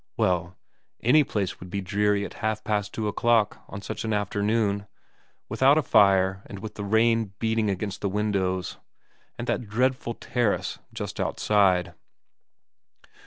Well, any place would be dreary at half past two o'clock on such an afternoon, without a fire and with the rain beating against the window, and that dreadful terrace just outside.